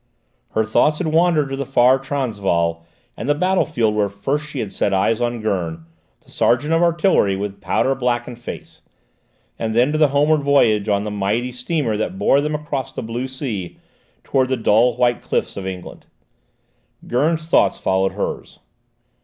Her thoughts had wandered to the far Transvaal and the battle field where first she had set eyes on Gurn, the sergeant of artillery with powder blackened face; and then to the homeward voyage on the mighty steamer that bore them across the blue sea, towards the dull white cliffs of England. Gurn's thoughts followed hers.